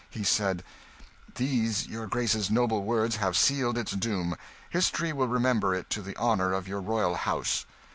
He said "These your Grace's noble words have sealed its doom. History will remember it to the honour of your royal house."